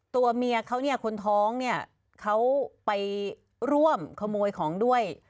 ตัวเมียเขาเนี่ยคนท้องเนี่ยเขาไปร่วมขโมยของด้วย